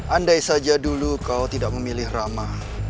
andai saja dulu kau tidak memilih rama